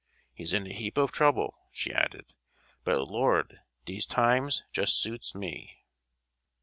He's in a heap of trouble," she added, "but, Lord, dese times just suits me!"